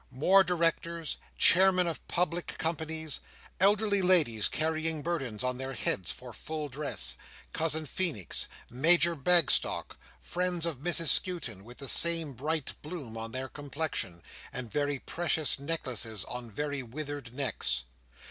More directors, chairmen of public companies, elderly ladies carrying burdens on their heads for full dress, Cousin Feenix, Major Bagstock, friends of Mrs Skewton, with the same bright bloom on their complexion, and very precious necklaces on very withered necks.